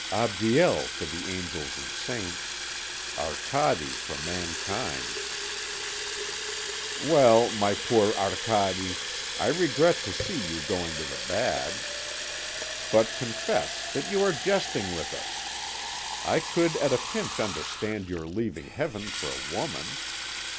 "Abdiel for the angels and saints, Arcade for mankind." "Well, my poor Arcade, I regret to see you going to the bad. But confess that you are jesting with us. I could at a pinch understand your leaving Heaven for a woman.